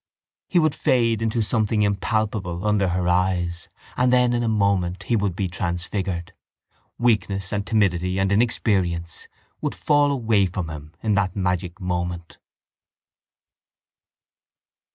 He would fade into something impalpable under her eyes and then in a moment, he would be transfigured. Weakness and timidity and inexperience would fall from him in that magic moment.